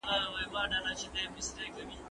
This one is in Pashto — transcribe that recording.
مقصر نه دی. البته، ناپوهي او جهالت یوازي د